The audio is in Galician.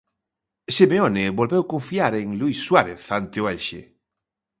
Simeone volveu confiar en Luís Suárez ante o Elxe.